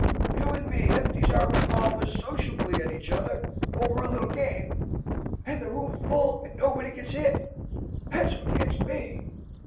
You and me empties our revolvers sociably at each other over a little game, and the room full and nobody gets hit! That's what gets me."